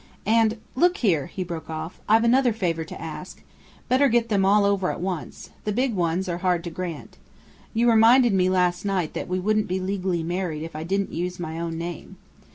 "And look here!" he broke off. "I've another favour to ask. Better get them all over at once the big ones that are hard to grant. You reminded me last night that we wouldn't be legally married if I didn't use my own name.